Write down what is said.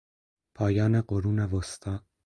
پایان قرون وسطی